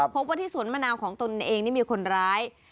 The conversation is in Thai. พบว่าที่สวนมะนาวของตนเองนี่มีคนร้าย